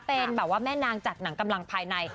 เป็นแม่นางจากหนังกำลังภายใน